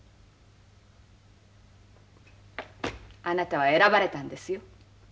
あなたは選ばれたんですよ